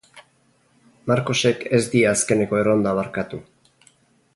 Marcosek ez die azkeneko erronda barkatu.